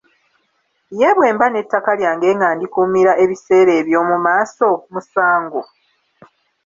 Ye bwe mba n'ettaka lyange nga ndikuumira ebiseera eby'omu maaso, musango?